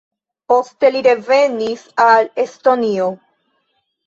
Poste li revenis al Estonio.